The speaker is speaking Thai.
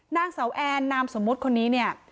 นางเสาแอนนามสมมุติคนนี้เนี่ย